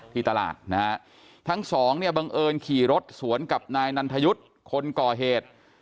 ที่ตลาดนะฮะทั้งสองเนี่ยบังเอิญขี่รถสวนกับนายนันทยุทธ์คนก่อเหตุ